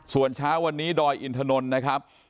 ส่วนเช้าวันนี้ดอยอินทนนท์นะครับ